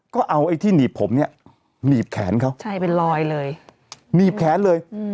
ก็เอาไอ้ที่หนีบผมเนี้ยหนีบแขนเขาเตยไปลอยเลยหนีบแขนเลยเอืม